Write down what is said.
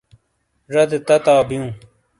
زَدے تتاؤ بیوں۔